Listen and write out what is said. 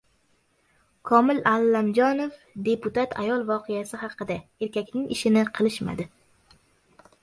Komil Allamjonov deputat ayol voqeasi haqida: «Erkakning ishini qilishmadi»